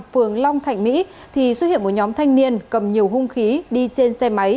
phường long thạnh mỹ thì xuất hiện một nhóm thanh niên cầm nhiều hung khí đi trên xe máy